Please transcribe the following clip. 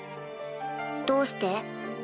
どうして？